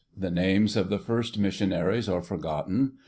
The names of the first missionaries are forgotten.